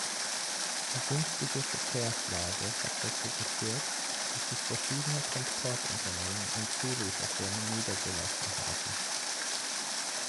Die günstige Verkehrslage hat dazu geführt, dass sich verschiedene Transportunternehmen und Zulieferfirmen niedergelassen haben.